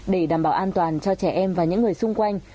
để đảm bảo an toàn cho trẻ em và những người xung quanh